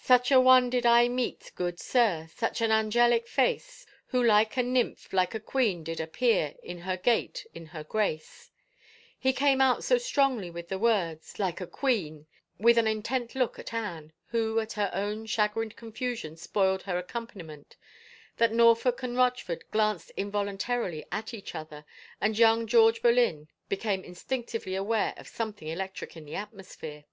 Such a one did I meet, good sir. Such an angelic face. Who like a nymph, like a queen, did appear In her gait, in her grace, he came out so strongly with the words, *' like a queen," with an intent look at Anne, who to her own chagrined confusion spoiled her accompaniment, that Norfolk and Rochford glanced involuntarily at each other, and young George Boleyn became instinctively aware of something electric in the atmosphere.